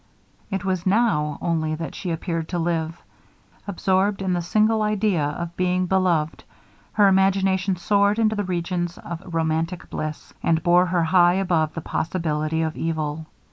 It was now only that she appeared to live. Absorbed in the single idea of being beloved, her imagination soared into the regions of romantic bliss, and bore her high above the possibility of evil.